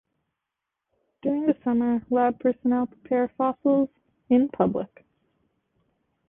During the summer, lab personnel prepare fossils in public.